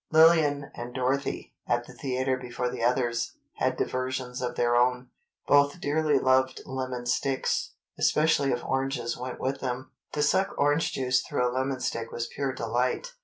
Lillian and Dorothy, at the theatre before the others, had diversions of their own. Both dearly loved lemon sticks, especially if oranges went with them. To suck orange juice through a lemon stick was pure delight.